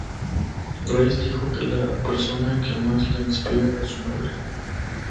Grace dijo que la persona que más le inspira es su madre.